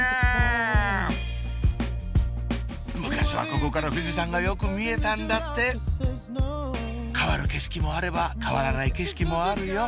昔はここから富士山がよく見えたんだって変わる景色もあれば変わらない景色もあるよ